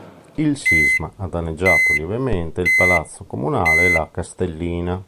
Il sisma ha danneggiato lievemente il Palazzo Comunale e la Castellina.